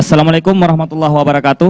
assalamualaikum warahmatullahi wabarakatuh